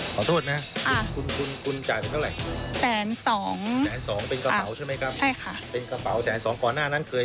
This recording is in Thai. เป็นกระเป๋าแสน๒นะครับ